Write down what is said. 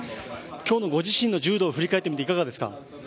今日のご自身の柔道を振り返ってみていかがですか？